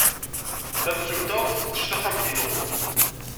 Tamsulta tfettec taxxamt-inu.